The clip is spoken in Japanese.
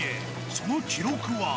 その記録は。